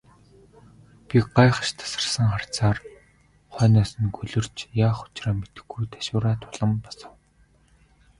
Би гайхаш тасарсан харцаар хойноос нь гөлөрч, яах учраа мэдэхгүй ташуураа тулан босов.